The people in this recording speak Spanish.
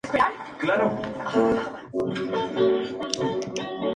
En la Eurocopa de ese año la llevó a semifinales.